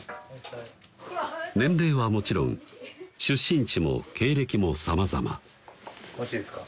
年齢はもちろん出身地も経歴もさまざまおいしいですか？